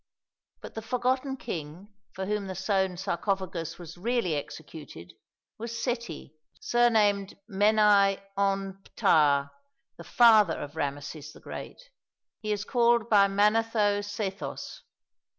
But the forgotten king for whom the Soane sarcophagus was really executed was Seti, surnamed Meni en Ptah, the father of Rameses the Great; he is called by Manetho Séthos.